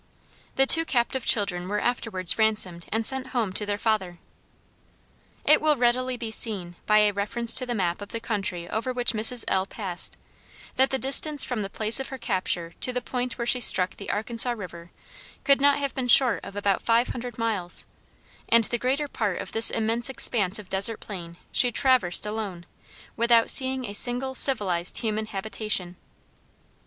The two captive children were afterwards ransomed and sent home to their father. It will readily be seen, by a reference to the map of the country over which Mrs. L passed, that the distance from the place of her capture to the point where she struck the Arkansas river could not have been short of about five hundred miles, and the greater part of this immense expanse of desert plain she traversed alone, without seeing a single civilized human habitation.